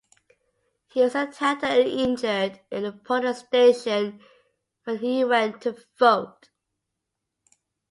He was attacked and injured in the polling station when he went to vote.